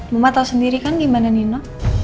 mama tahu sendiri kan gimana nino